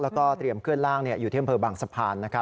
แล้วก็เตรียมเคลื่อนล่างอยู่ที่อำเภอบางสะพาน